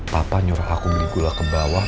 papa nyur aku beli gula ke bawah